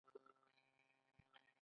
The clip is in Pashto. جوړول د ورانولو پر ځای.